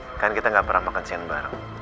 kan kita nggak pernah makan siang bareng